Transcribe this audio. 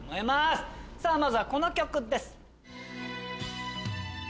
まずはこの曲です。